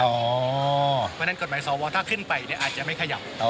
เพราะฉะนั้นกฎหมายสวถ้าขึ้นไปอาจจะไม่ขยับต่อ